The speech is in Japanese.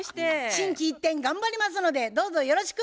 心機一転頑張りますのでどうぞよろしく。